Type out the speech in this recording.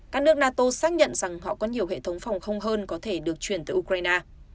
các nước nato xác nhận rằng họ có nhiều hệ thống phòng không hơn có thể được chuyển tới ukraine